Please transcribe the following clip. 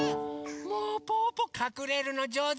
もうぽぅぽかくれるのじょうずだね。